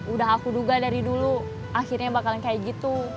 udah aku duga dari dulu akhirnya bakalan kayak gitu